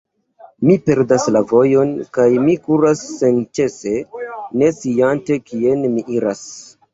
Mi perdas la vojon, kaj mi kuras senĉese, ne sciante, kien mi iras.